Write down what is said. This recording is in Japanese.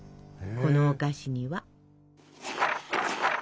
このお菓子には。